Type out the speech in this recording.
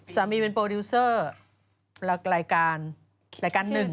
สามีเป็นโปรดิวเซอร์รายการรายการหนึ่ง